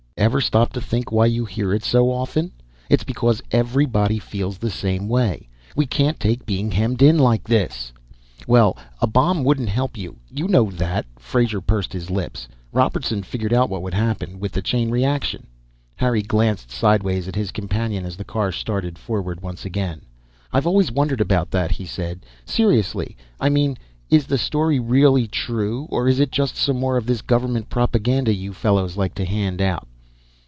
"Ever stop to think why you hear it so often? It's because everybody feels the same way we can't take being hemmed in like this." "Well, a bomb wouldn't help. You know that." Frazer pursed his lips. "Robertson figured out what would happen, with the chain reaction." Harry glanced sideways at his companion as the car started forward once again. "I've always wondered about that," he said. "Seriously, I mean. Is the story really true, or is it just some more of this government propaganda you fellows like to hand out?"